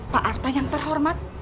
pak arta yang terhormat